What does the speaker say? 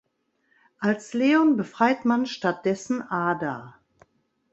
Als Leon befreit man stattdessen Ada.